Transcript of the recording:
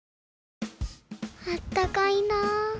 あったかいな。